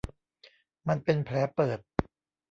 มันเป็นแผลเปิด